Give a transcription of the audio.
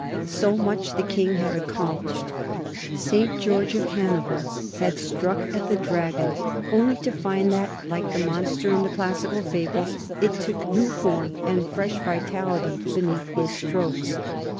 So much the King had accomplished. Saint George of Hanover had struck at the dragon only to find that, like the monster in the classical fable, it took new form and fresh vitality beneath his strokes.